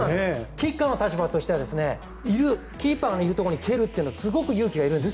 キッカーの立場としてはキーパーのいるところに蹴るのはすごく勇気がいるんです。